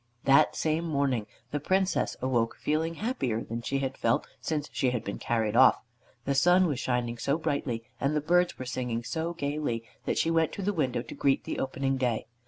That same morning the Princess awoke feeling happier than she had felt since she had been carried off. The sun was shining so brightly, and the birds were singing so gaily, that she went to the window to greet the opening day.